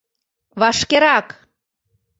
Вашкерак